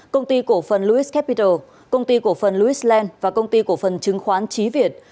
công ty cổ phần lewis capital công ty cổ phần lewis land và công ty cổ phần trứng khoán trí việt